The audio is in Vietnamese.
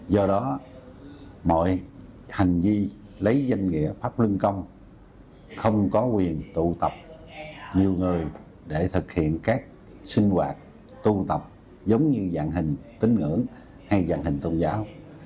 do đó mọi hành vi lấy danh nghĩa pháp lưng công không có quyền tụ tập nhiều người để thực hiện các sinh hoạt tôn tập giống như dạng hình tính ngưỡng hay dạng hình tôn giáo